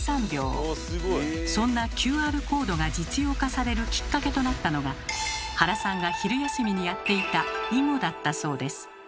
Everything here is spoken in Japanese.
そんなＱＲコードが実用化されるきっかけとなったのが原さんが昼休みにやっていた囲碁だったそうです。